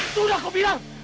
sudah kau bilang